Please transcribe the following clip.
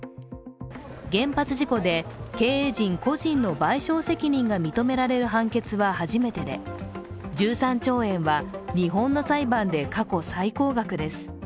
原発事故で経営陣個人の賠償責任が認められる判決は初めてで１３兆円は、日本の裁判で過去最高額です。